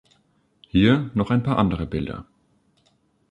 Hier noch ein paar andere Bilder.